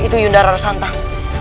itu yundara rasantang